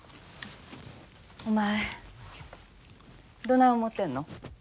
お前どない思うてんの？